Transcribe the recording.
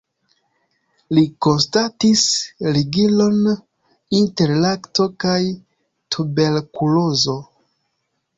Li konstatis ligilon inter lakto kaj tuberkulozo.